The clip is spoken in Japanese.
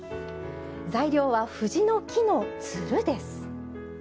材料は藤の木のつるです。